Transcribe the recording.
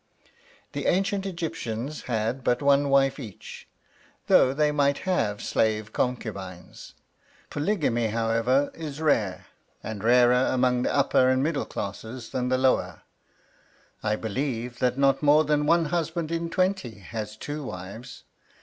The ancient Egyptians had but one wife each, though they might have slave concubines. Polygamy, however, is rare, and rarer among the upper and middle classes than the lower; "I believe that not more than one husband in twenty has two wives."